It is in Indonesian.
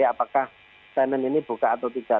apakah tenan ini buka atau tidak